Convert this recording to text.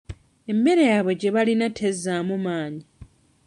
Emmere yaabwe gye balina tezzaamu maanyi.